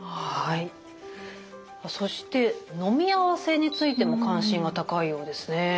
そしてのみ合わせについても関心が高いようですね。